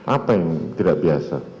apa yang tidak biasa